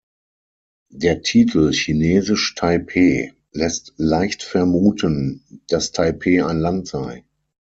Der Titel ‚Chinesisch Taipei‘ lässt leicht vermuten, dass „Taipei“ ein Land sei.